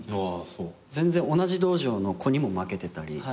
全然同じ道場の子にも負けてたり。